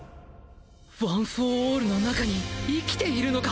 ワン・フォー・オールの中に生きているのか！？